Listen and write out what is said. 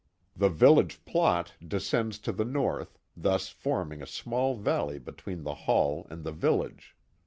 The village plot descends to the north, thus forming a small valley between the Hall and the village.